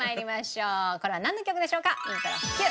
これはなんの曲でしょうか？